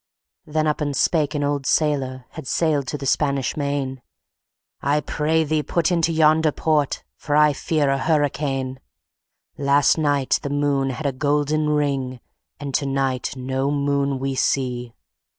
Then up and spake an old sailor, Had sailed to the Spanish Main, "I pray thee, put into yonder port, For I fear a hurricane. "Last night, the moon had a golden ring, And tonight no moon we see!"